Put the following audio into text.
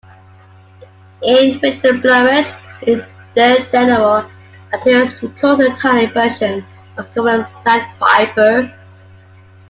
In winter plumage, the general appearance recalls a tiny version of common sandpiper.